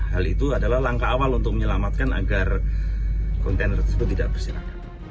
hal itu adalah langkah awal untuk menyelamatkan agar kontainer tersebut tidak bersilakan